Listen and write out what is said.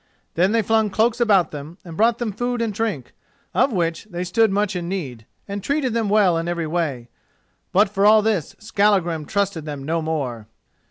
Then they flung cloaks about them, and brought them food and drink, of which they stood much in need, and treated them well in every way. But for all this Skallagrim trusted them no more.